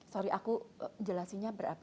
sorry aku jelasinnya berapi api